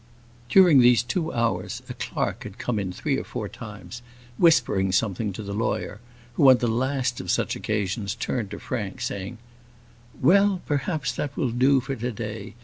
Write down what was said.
During these two hours, a clerk had come in three or four times, whispering something to the lawyer, who, on the last of such occasions, turned to Frank, saying, "Well, perhaps that will do for to day.